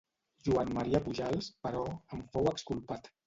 Joan Maria Pujals, però, en fou exculpat.